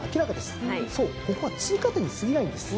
そうここは通過点にすぎないんです。